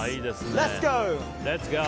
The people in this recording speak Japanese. レッツゴー！